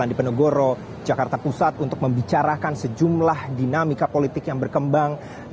dan di penegoro jakarta pusat untuk membicarakan sejumlah dinamika politik yang berkembang